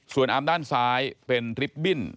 ส่วนอามด้านซ้ายเป็นริบบิ้น